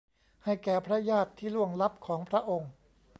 ให้แก่พระญาติที่ล่วงลับของพระองค์